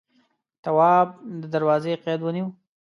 تواب د دروازې قید ونيو.